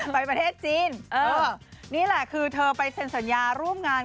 ประเทศจีนนี่แหละคือเธอไปเซ็นสัญญาร่วมงาน